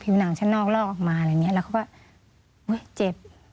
ผิวหนังชั้นนอกลอกออกมาอะไรอย่างนี้แล้วก็เจ็บ